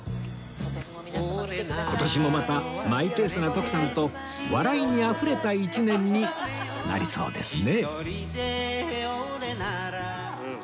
今年もまたマイペースな徳さんと笑いにあふれた一年になりそうですね